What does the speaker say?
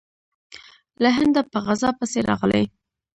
له هنده په غزا پسې راغلی.